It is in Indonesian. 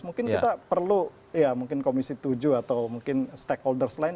mungkin kita perlu ya mungkin komisi tujuh atau mungkin stakeholders lain